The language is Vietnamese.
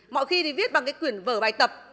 mọi khi thì viết bằng cái quyển vở bài tập